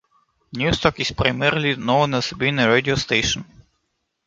Newstalk is primarily known as being a Radio station.